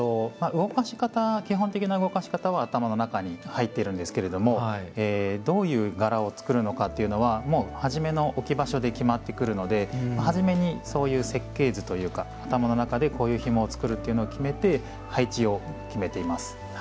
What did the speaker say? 基本的な動かし方は頭の中に入っているんですけれどもどういう柄を作るのかっていうのはもう初めの置き場所で決まってくるので初めにそういう設計図というか頭の中でこういうひもを作るというのを決めて配置を決めています。